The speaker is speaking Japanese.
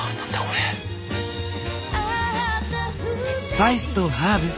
スパイスとハーブ。